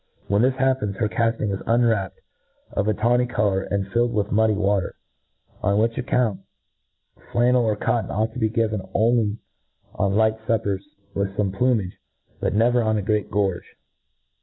When this happens, her cafting is unwrapped, of a tawny colour, and filled with muddy water ; on which account, flannel or cot ton ought to be given only on light fuppers, with fome plumage, but never on a great gorge.